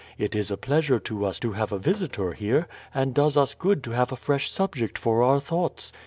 It is a pleasure to us to have a visitor here, and does us good to have a fresh subject for our thoughts.